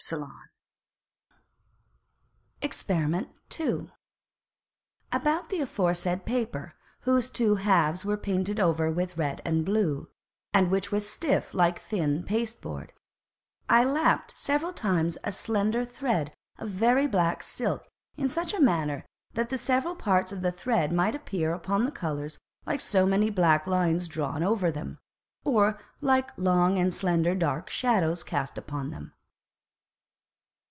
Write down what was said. [Illustration: FIG. 11.] Exper. 2. About the aforesaid Paper, whose two halfs were painted over with red and blue, and which was stiff like thin Pasteboard, I lapped several times a slender Thred of very black Silk, in such manner that the several parts of the Thred might appear upon the Colours like so many black Lines drawn over them, or like long and slender dark Shadows cast upon them.